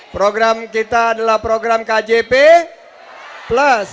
program kita adalah program kjp plus